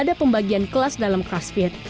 ada pembagian kelas dalam crossfit